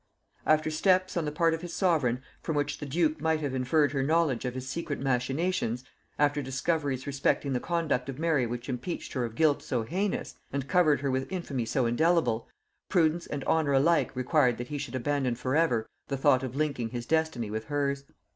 After steps on the part of his sovereign from which the duke might have inferred her knowledge of his secret machinations; after discoveries respecting the conduct of Mary which impeached her of guilt so heinous, and covered her with infamy so indelible; prudence and honor alike required that he should abandon for ever the thought of linking his destiny with hers.